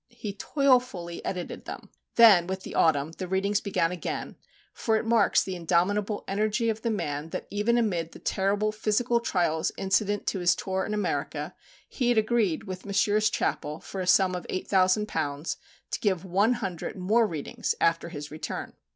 He toilfully edited them. Then, with the autumn, the readings began again; for it marks the indomitable energy of the man that, even amid the terrible physical trials incident to his tour in America, he had agreed with Messrs. Chappell, for a sum of £8,000, to give one hundred more readings after his return.